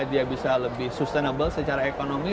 dia bisa lebih sustainable secara ekonomi